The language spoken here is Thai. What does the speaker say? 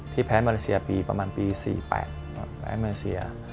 ที่แพ้เมริเซียปีประมาณปี๔๘แพ้เมริเซีย